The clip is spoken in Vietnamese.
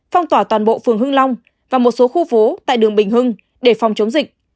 phong tỏa toàn bộ phường hương long và một số khu phố tại đường bình hưng để phòng chống dịch